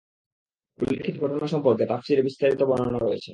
উল্লেখিত ঘটনা সম্পর্কে তাফসীরে বিস্তারিত বর্ণনা রয়েছে।